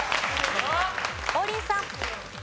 王林さん。